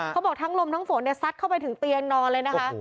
เขาบอกทั้งลมทั้งฝนซัดเข้าไปถึงเตียงนอนเลยนะคะ